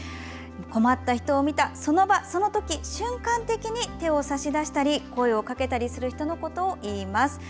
困った人を見た、その場そのとき瞬間的に手を差し出したり声をかけたりする人のことをいいます。